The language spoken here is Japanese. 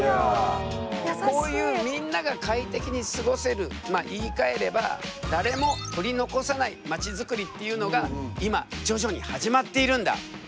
こういうみんなが快適に過ごせるまあ言いかえれば誰も取り残さない街づくりっていうのが今徐々に始まっているんだ。